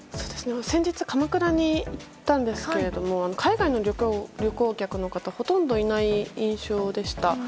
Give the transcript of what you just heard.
先日、鎌倉に行ったんですが海外の旅行客の方ほとんどいない印象でした。